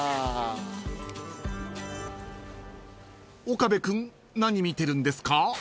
［岡部君何見てるんですか？］